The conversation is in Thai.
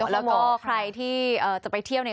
แล้วก็ใครที่จะไปเที่ยวเนี่ย